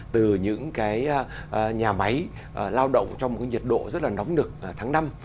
từ những cái nhà máy lao động trong một cái nhiệt độ rất là nóng nực tháng năm